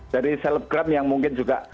dari selebgram yang mungkin juga